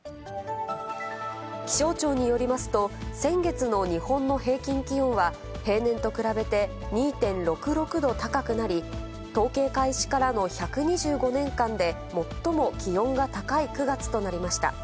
気象庁によりますと、先月の日本の平均気温は平年と比べて２．６６度高くなり、統計開始からの１２５年間で最も気温が高い９月となりました。